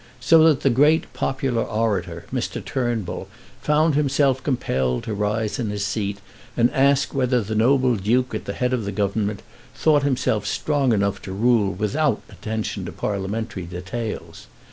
So that the great popular orator, Mr. Turnbull, found himself compelled to rise in his seat, and ask whether the noble Duke at the head of the Government thought himself strong enough to rule without attention to Parliamentary details.